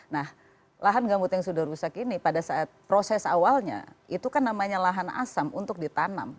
nah lahan gambut yang sudah rusak ini pada saat proses awalnya itu kan namanya lahan asam untuk ditanam